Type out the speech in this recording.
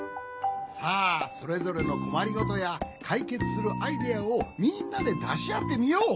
さあそれぞれのこまりごとやかいけつするアイデアをみんなでだしあってみよう。